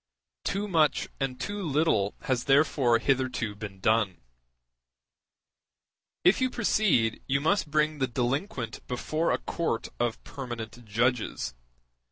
Too much and too little has therefore hitherto been done. If you proceed, you must bring the delinquent before a court of permanent judges.